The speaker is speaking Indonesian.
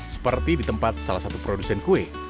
seperti di tempat salah satu produsen kue